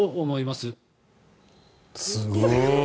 すごい。